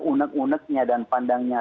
unek uneknya dan pandangnya